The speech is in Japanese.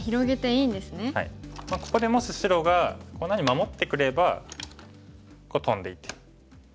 ここでもし白がこんなふうに守ってくればトンでいて。